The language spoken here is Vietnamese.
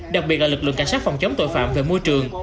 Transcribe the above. đặc biệt là lực lượng cảnh sát phòng chống tội phạm về môi trường